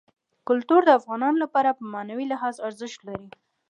کلتور د افغانانو لپاره په معنوي لحاظ ارزښت لري.